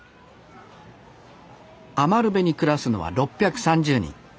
余部に暮らすのは６３０人。